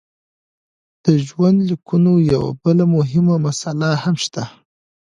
د ژوندلیکونو یوه بله مهمه مساله هم شته.